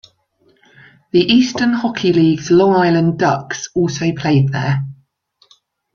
The Eastern Hockey League's Long Island Ducks also played there.